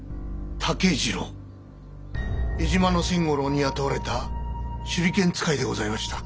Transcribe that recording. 江島の仙五郎に雇われた手裏剣使いでございました。